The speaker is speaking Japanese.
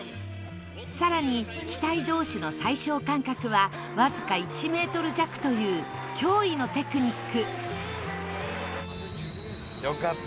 更に、機体同士の最小間隔はわずか１ｍ弱という驚異のテクニック伊達：あっ！